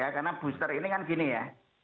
karena booster ini kan begini ya